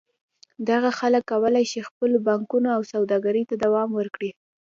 دغه خلک کولای شي خپلو پانګونو او سوداګرۍ ته دوام ورکړي.